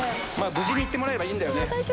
無事に行ってもらえばいいんだよね。